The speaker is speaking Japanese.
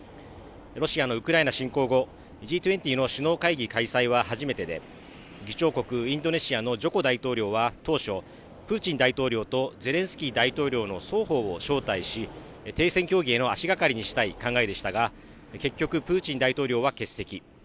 ロシアのウクライナ侵攻後Ｇ２０の首脳会議開催は初めてで議長国インドネシアのジョコ大統領は当初プーチン大統領とゼレンスキー大統領の双方を招待し停戦協議への足がかりにしたい考えでしたが結局プーチン大統領は欠席